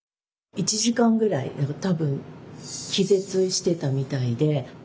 １時間ぐらい多分気絶してたみたいで。